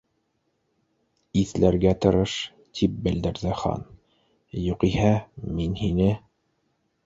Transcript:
—Иҫләргә тырыш, —тип белдерҙе Хан, —юғиһә, мин һине